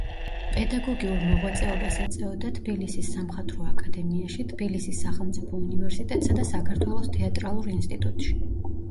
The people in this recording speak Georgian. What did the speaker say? პედაგოგიურ მოღვაწეობას ეწეოდა თბილისის სამხატვრო აკადემიაში, თბილისის სახელმწიფო უნივერსიტეტსა და საქართველოს თეატრალურ ინსტიტუტში.